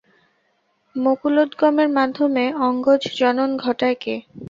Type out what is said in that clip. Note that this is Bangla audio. মুকুলোদগমের মাধ্যমে অঙ্গজ জনন ঘটায় কে?